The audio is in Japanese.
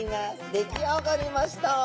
出来上がりました！